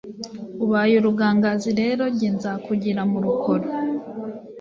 Ubaye urugangazi Rero jye nzakugira mu Rukoro